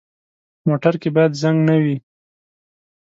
موټر کې باید زنګ نه وي.